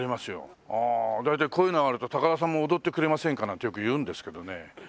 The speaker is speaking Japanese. ああ大体こういうのあると「高田さんも踊ってくれませんか」なんてよく言うんですけどね。